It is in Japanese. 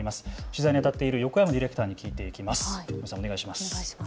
取材にあたっている横山ディレクターに聞いていきます。